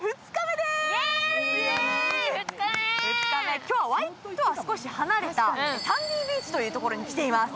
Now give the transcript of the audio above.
今日、ワイキキとは少し離れたサンディビーチというところに来ています。